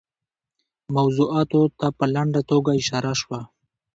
موضوعاتو ته په لنډه توګه اشاره شوه.